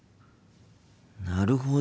なるほど。